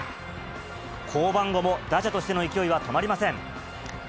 降板後も、打者としての勢いは止まりません。